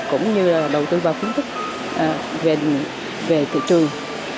cũng như đầu tư vào kiến thức về thị trường